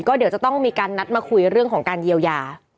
ก็เดี๋ยวจะต้องมีการนัดมาคุยเรื่องของการเยียวยา